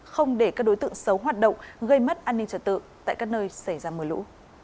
không để các đối tượng xấu hoạt động gây mất an ninh trật tự tại các nơi xảy ra mưa lũ